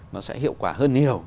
nó sẽ hiệu quả hơn nhiều